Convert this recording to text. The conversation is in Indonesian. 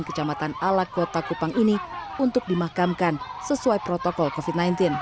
kecamatan alak kota kupang ini untuk dimakamkan sesuai protokol covid sembilan belas